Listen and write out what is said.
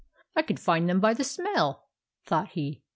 " I could find them by the smell," thought he.